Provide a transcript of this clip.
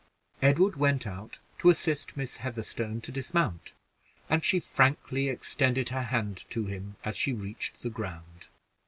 Edward went out to assist Miss Heatherstone to dismount, and she frankly extended her hand to him as she reached the ground.